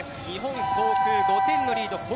日本航空、５点のリード。